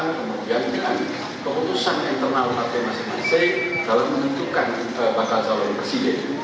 kemudian dengan keputusan internal partai masing masing dalam menentukan bakal calon presiden